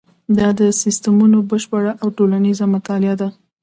دا د سیسټمونو بشپړه او ټولیزه مطالعه ده.